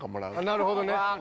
なるほどね。